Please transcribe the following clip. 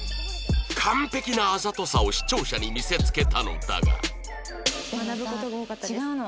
完璧なあざとさを視聴者に見せつけたのだがでもさ違うの。